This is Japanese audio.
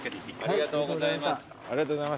ありがとうございます。